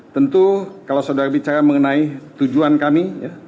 tentu kalau saudara bicara mengenai tujuan kami